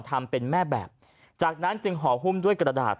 ทำเป็นแม่แบบจากนั้นจึงห่อหุ้มด้วยกระดาษ